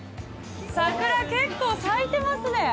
桜、結構咲いてますね。